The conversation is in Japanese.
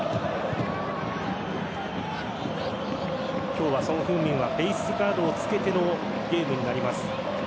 今日はソン・フンミンはフェースガードをつけてのゲームになります。